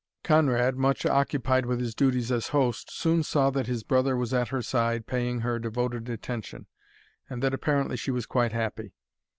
Conrad, much occupied with his duties as host, soon saw that his brother was at her side, paying her devoted attention, and that apparently she was quite happy.